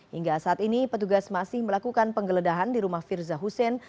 hingga saat ini petugas masih melakukan penggeledahan di rumah firza hussein